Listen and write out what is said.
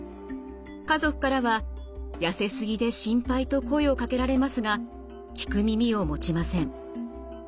家族からは痩せすぎで心配と声をかけられますが聞く耳を持ちません。